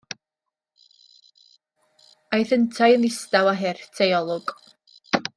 Aeth yntau yn ddistaw a hurt ei olwg.